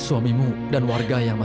bapaku akan merugikanmu